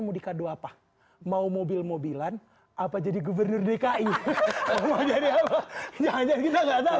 mau dikado apa mau mobil mobilan apa jadi governor dki mau jadi apa jangan jangan kita nggak tahu